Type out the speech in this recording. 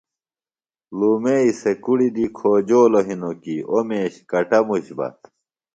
لُومئی سےۡ کُڑیۡ دی کھوجولوۡ ہنوۡ کیۡ اوۡ میش کٹموش بہ